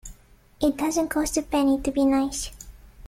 It doesn't cost a penny to be nice.